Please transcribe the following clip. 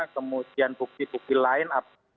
kemudian bukti bukti lain